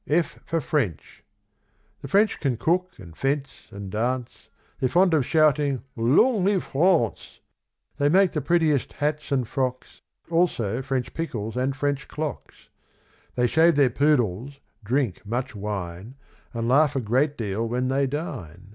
F for French. The French can cook, and fence, and dance, They're fond of shouting "Long live France!" They make the prettiest hats and frocks, Also French pickles and French clocks. They shave their poodles, drink much wine, And laugh a great deal when they dine.